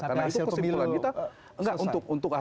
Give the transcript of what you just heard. karena itu kesimpulan kita